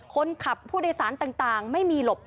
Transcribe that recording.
คนขับผู้โดยสารต่างไม่มีหลบ